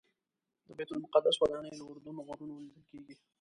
د بیت المقدس ودانۍ له اردن غرونو لیدل کېږي.